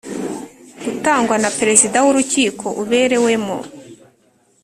gutangwa na Perezida w urukiko uberewemo